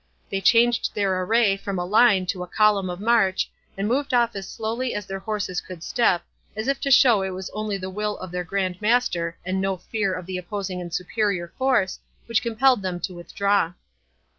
They changed their array from a line to a column of march, and moved off as slowly as their horses could step, as if to show it was only the will of their Grand Master, and no fear of the opposing and superior force, which compelled them to withdraw.